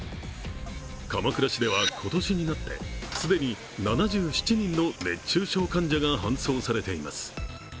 鎌倉市では今年になって既に７７人の熱中症患者が搬送されています。